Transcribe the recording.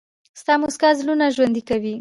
• ستا موسکا زړونه ژوندي کوي.